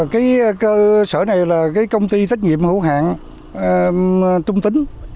cái cơ sở này là công ty tách nghiệm hữu hạng trung tính